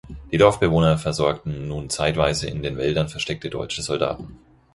Die Dorfbewohner versorgten nun zeitweise in den Wäldern versteckte deutsche Soldaten.